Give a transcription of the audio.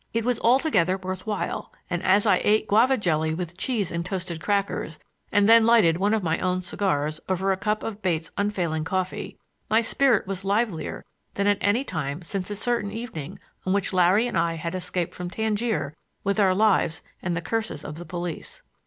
It was altogether worth while, and as I ate guava jelly with cheese and toasted crackers, and then lighted one of my own cigars over a cup of Bates' unfailing coffee, my spirit was livelier than at any time since a certain evening on which Larry and I had escaped from Tangier with our lives and the curses of the police.